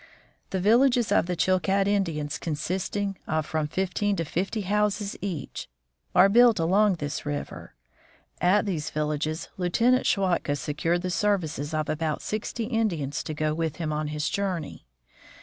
The villages of the Chilkat 94 LIEUTENANT SCHWATKA IN ALASKA 95 Indians, consisting of from fifteen to fifty houses each, are built along this river. At these villages Lieutenant Schwatka secured the services of about sixty Indians to go with him on his journey.